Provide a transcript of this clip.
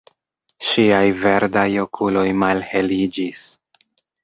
Ŝiaj verdaj okuloj malheliĝis.